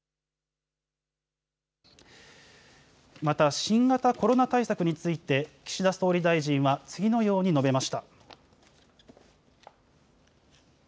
また新型コロナ対策について岸田総理大臣は次のように述べました。